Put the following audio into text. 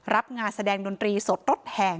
รับงานแสดงดนตรีสดรถแห่